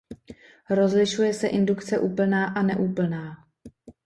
Rozlišuje se indukce úplná a neúplná.